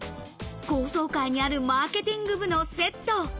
高層階にあるマーケティング部のセット。